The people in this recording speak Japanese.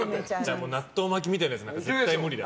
じゃあ納豆巻きみたいなやつ絶対無理だ。